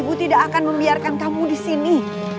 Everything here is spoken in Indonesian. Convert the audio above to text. ibu tidak akan membiarkan kamu disini